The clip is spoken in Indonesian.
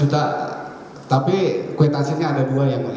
dua ratus juta tapi kuitansinya ada dua yang mulia